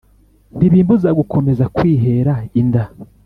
ntibimbuza gukomeza kwihera inda."